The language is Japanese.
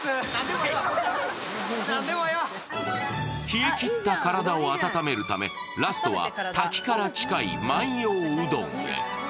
冷えきった体を温めるため、ラストは滝から近い万葉うどんへ。